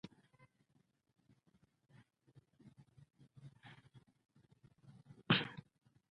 کوم خلک کوم چې تاسې سره دې چاپېریال کې کار کوي تاسې